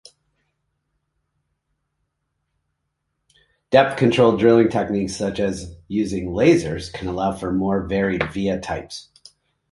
Depth-controlled drilling techniques such as using lasers can allow for more varied via types.